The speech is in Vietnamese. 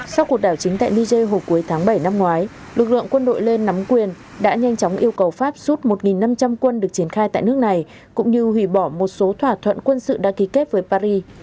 sau cuộc đảo chính tại niger hồi cuối tháng bảy năm ngoái lực lượng quân đội lên nắm quyền đã nhanh chóng yêu cầu pháp rút một năm trăm linh quân được triển khai tại nước này cũng như hủy bỏ một số thỏa thuận quân sự đã ký kết với paris